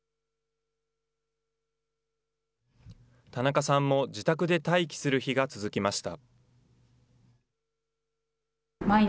田中さんも自宅で待機する日が続きました。